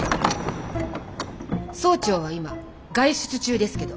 総長は今外出中ですけど。